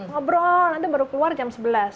ngobrol nanti baru keluar jam sebelas